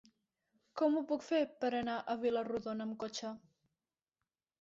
Com ho puc fer per anar a Vila-rodona amb cotxe?